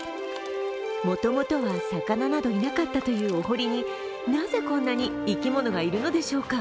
元々は魚などいなかったというお堀になぜ、こんなに生き物がいるのでしょうか。